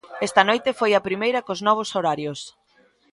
Esta noite foi a primeira cos novos horarios.